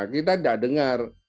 kita tidak dengar